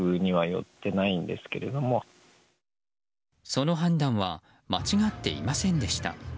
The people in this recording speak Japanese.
その判断は間違っていませんでした。